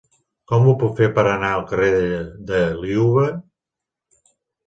Com ho puc fer per anar al carrer de Liuva?